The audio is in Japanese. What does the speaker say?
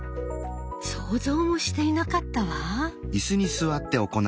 想像もしていなかったわ！